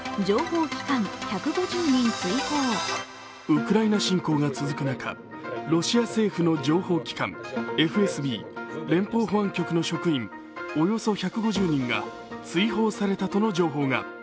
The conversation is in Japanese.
ウクライナ侵攻が続く中、ロシア政府の情報機関、ＦＳＢ＝連邦保安局の職員およそ１５０人が追放されたとの情報が。